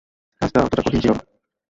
কাজটা অতটা কঠিন ছিলো না।